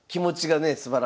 すばらしいです。